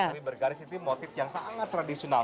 kami bergaris itu motif yang sangat tradisional